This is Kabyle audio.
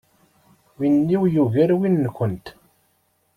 Win-iw yugar win-nkent.